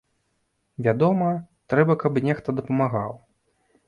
Вядома, трэба каб нехта дапамагаў.